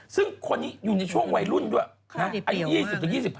ซึ่งคนนี้อยู่ในช่วงวัยรุ่นด้วยนะอายุ๒๐๒๕